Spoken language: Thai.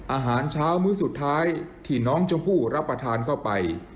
อาหารเช้ามื้อสุดท้ายที่น้องชมพู่รับประทานเข้าไป